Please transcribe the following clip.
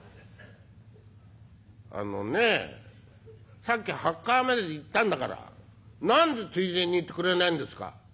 「あのねさっき８階まで行ったんだから何でついでに言ってくれないんですか」。